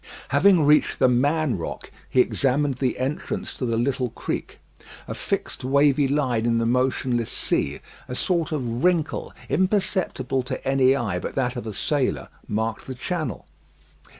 Having reached "The Man Rock," he examined the entrance to the little creek. A fixed, wavy line in the motionless sea, a sort of wrinkle, imperceptible to any eye but that of a sailor, marked the channel.